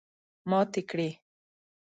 ماتې کړې.